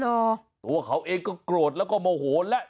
เพราะว่าเขาเองก็โกรธแล้วก็โมโหแล้ว